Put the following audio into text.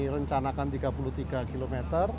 rencanakan tiga puluh tiga km